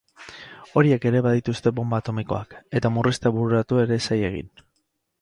Horiek ere badituzte bonba atomikoak, eta murriztea bururatu ere ez zaie egin.